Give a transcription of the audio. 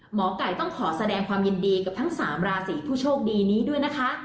หมอไก่ต้องขอแสดงความยินดีกับทั้ง๓ราศีผู้โชคดีนี้ด้วยนะคะ